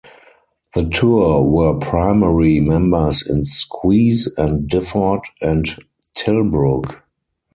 The two were primary members in Squeeze and Difford and Tilbrook.